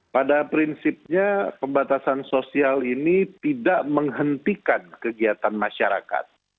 pada prinsipnya pembatasan sosial ini tidak menghentikan kegiatan masyarakat